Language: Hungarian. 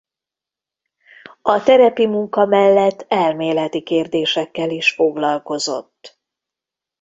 A terepi munka mellett elméleti kérdésekkel is foglalkozott.